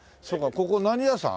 ここ何屋さん？